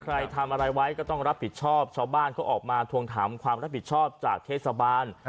ใครทำอะไรไว้ก็ต้องรับผิดชอบชาวบ้านเขาออกมาทวงถามความรับผิดชอบจากเทศบาล